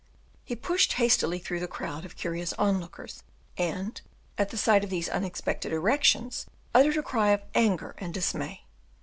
He pushed hastily thorough the crowd of curious lookers on, and, at the sight of these unexpected erections, uttered a cry of anger and dismay.